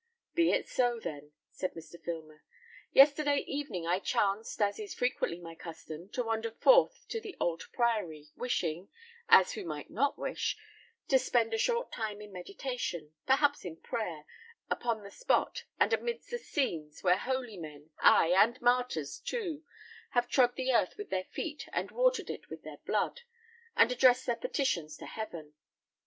"Be it so, then," said Mr. Filmer. "Yesterday evening I chanced, as is frequently my custom, to wander forth to the old Priory, wishing, as who might not wish, to spend a short time in meditation, perhaps in prayer, upon the spot and amidst the scenes where holy men, ay, and martyrs, too, have trod the earth with their feet and watered it with their blood, and addressed their petitions to heaven.